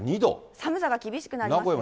寒さが厳しくなりますね。